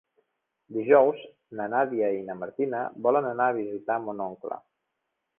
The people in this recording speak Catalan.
Dijous na Nàdia i na Martina volen anar a visitar mon oncle.